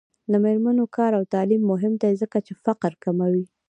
د میرمنو کار او تعلیم مهم دی ځکه چې فقر کموي.